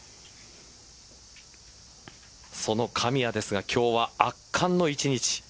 その神谷ですが今日は圧巻の一日。